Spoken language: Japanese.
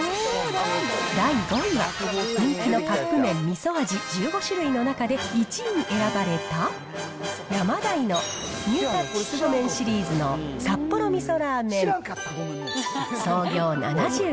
第５位は、人気のカップ麺みそ味１５種類の中で１位に選ばれた、ヤマダイのニュータッチ凄麺シリーズの札幌味噌ラーメン。